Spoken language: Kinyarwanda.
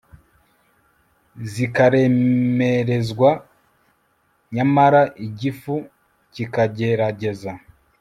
zikaremerezwa nyamara igifu kikagerageza